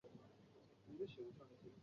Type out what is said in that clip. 义县是辽宁省锦州市下辖的一个县。